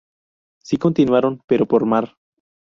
Sí, continuaron, pero por mar.